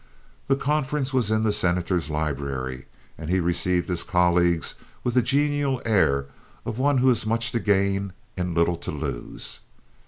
The conference was in the Senator's library, and he received his colleagues with the genial air of one who has much to gain and little to lose.